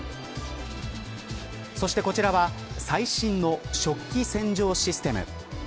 そして、こちらは最新の食器洗浄システム。